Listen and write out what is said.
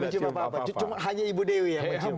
tidak mencium apa apa hanya ibu dewi yang mencium